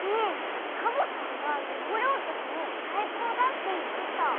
サボさんがよごれおとしにさいこうだっていってた。